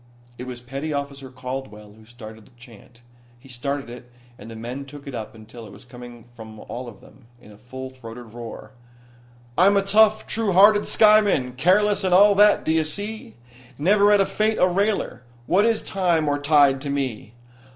It was petty officer Caldwell who started the chant. He started it, and the men took it up until it was coming from all of them in a full throated roar. I'm a tough, true hearted skyman, Careless and all that, d'ye see? Never at fate a railer, What is time or tide to me?